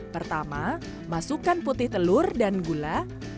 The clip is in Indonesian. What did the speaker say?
pertama masukkan putih telur dan gula